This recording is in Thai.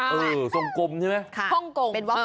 วอฟเฟิลล์สกกมใช่ไหม